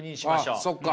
そっか。